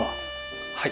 はい。